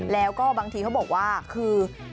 แล้วก็บางทีเขาบอกว่าคือ